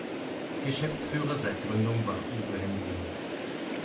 Geschäftsführer seit Gründung war Uwe Hense.